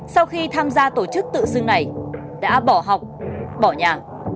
sau khi tham gia tổ chức tự xưng này đã bỏ học bỏ nhà